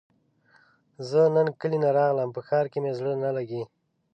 زۀ نن کلي نه راغلم په ښار کې مې زړه نه لګي